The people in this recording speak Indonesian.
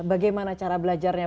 bagaimana cara belajarnya